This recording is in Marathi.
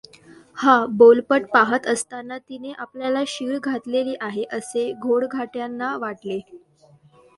हा बोलपट पाहत असताना तिने आपल्याला शीळ घातलेली आहे, असे गोडघाट्यांना वाटले.